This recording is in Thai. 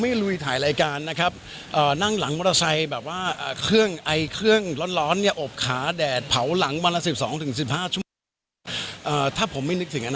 ไปแล้วใช่ครับผมว่าจริงแล้วเนี่ยมันก็เป็นเรื่องที่อยากที่ว่านะครับมันคง